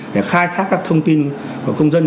để khai thác các thông tin của công dân